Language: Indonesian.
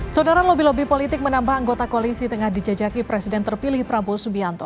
saudara lobby politik menambah anggota koalisi tengah dijajaki presiden terpilih prabowo subianto